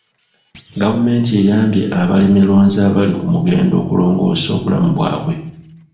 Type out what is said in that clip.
Gavumenti eyambye abalimirunzi abali ku mugendo okulongoosa obulamu bwabwe.